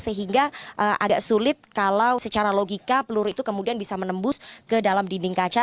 sehingga agak sulit kalau secara logika peluru itu kemudian bisa menembus ke dalam dinding kaca